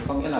có nghĩa là